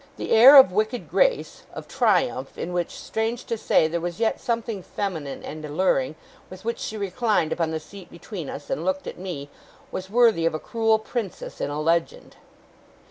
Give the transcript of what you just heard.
The air of wicked grace: of triumph, in which, strange to say, there was yet something feminine and alluring: with which she reclined upon the seat between us, and looked at me, was worthy of a cruel Princess in a Legend.